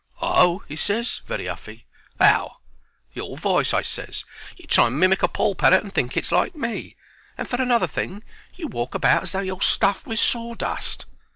"Oh!" he ses, very huffy. "How?" "Your voice," I ses. "You try and mimic a poll parrot, and think it's like me. And, for another thing, you walk about as though you're stuffed with sawdust."